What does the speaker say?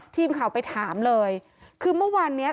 ทีมข่าวไปถามเลย